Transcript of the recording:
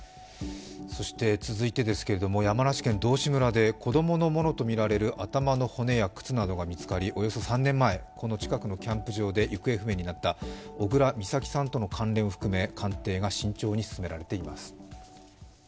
続いて、山梨県道志村で子供のものとみられる頭の骨や靴などが見つかり、およそ３年前、この近くのキャンプ場で行方不明になった小倉美咲さんとの関連を含め、鑑定が慎重に進められています。